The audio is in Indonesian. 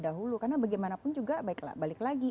dahulu karena bagaimanapun juga balik lagi